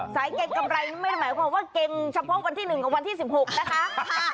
สายเกงกำไรไม่หมายความว่าเกงชะโพ่งวันที่หนึ่งกับวันที่๑๖นะคะ